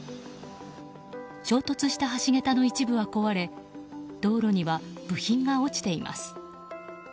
衝突した橋桁の一部は壊れ道路には部品が落ちています。